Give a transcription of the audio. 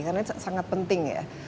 karena ini sangat penting ya